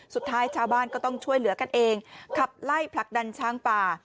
สุดท้ายชาวบ้านก็ต้องช่วยเหลือกันเองขับไล่ผลักดันช้างป่า